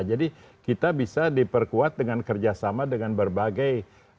jadi kita bisa diperkuat dengan kerjasama dengan berbagai